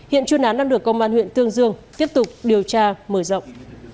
hiện chuyên án đang được công an huyện tương dương tiếp tục điều tra mở rộng